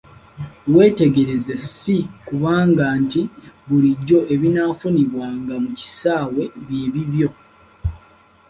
Weetegereze si kugamba nti bulijjo ebinaafunibwanga mu kisaawe byebiibyo.